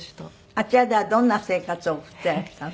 あちらではどんな生活を送っていらしたの？